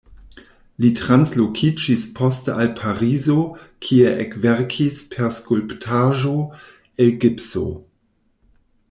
Li translokiĝis poste al Parizo kie ekverkis per skulptaĵo el gipso.